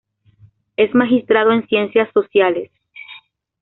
Es magistrado en ciencias sociales.